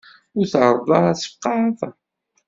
Ur ttεaraḍ ara ad tfeqεeḍ.